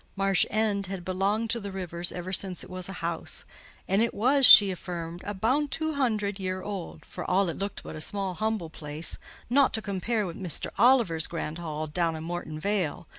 Marsh End had belonged to the Rivers ever since it was a house: and it was, she affirmed, "aboon two hundred year old—for all it looked but a small, humble place, naught to compare wi' Mr. Oliver's grand hall down i' Morton Vale.